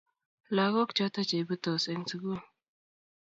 Lakok choto Che iputos eng' sukul